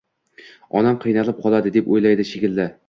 Onam qiynalib qoladi, deb o`yladi, shekilli